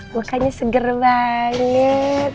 makanya seger banget